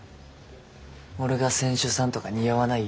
俺が船主さんとか似合わない？